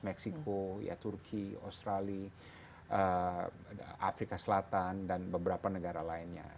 meksiko turki australia afrika selatan dan beberapa negara lainnya